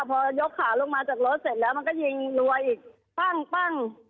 พอยกขาลงมาจากรถเสร็จแล้วมันก็ยิงรัวอีกปั้งปั้ง